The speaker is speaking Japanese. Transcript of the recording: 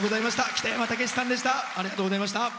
北山たけしさんでした。